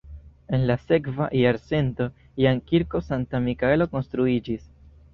En la sekva jarcento jam kirko Sankta Mikaelo konstruiĝis.